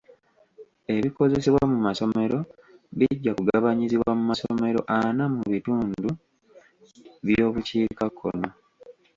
Ebikozesebwa mu masomero bijja kugabanyizibwa mu masomero ana mu bitundu by'obukiikakkono.